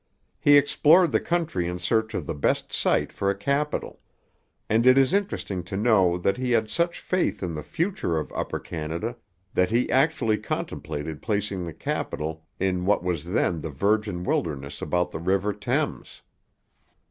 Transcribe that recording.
He explored the country in search of the best site for a capital; and it is interesting to know that he had such faith in the future of Upper Canada that he actually contemplated placing the capital in what was then the virgin wilderness about the river Thames.